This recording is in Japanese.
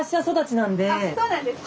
あっそうなんですか？